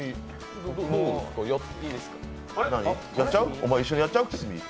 お前一緒にやっちゃう？